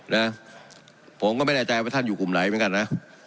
นะผมก็ไม่แน่ใจว่าท่านอยู่กลุ่มไหนเหมือนกันนะ